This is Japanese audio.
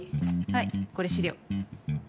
はい、これ資料。